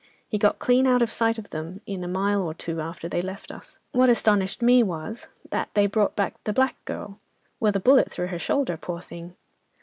He got clean out of sight of them in a mile or two after they left us. What astonished me was, that they brought back the black girl, with a bullet through her shoulder, poor thing!